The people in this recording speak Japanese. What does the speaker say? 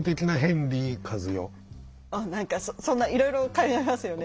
何かそんないろいろ考えますよね。